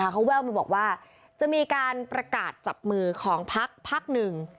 เขาแววมาบอกว่าจะมีการประกาศจับมือของพักพักหนึ่ง